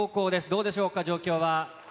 どうでしょうか、状況は。